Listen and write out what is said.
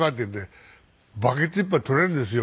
バケツいっぱい取れるんですよ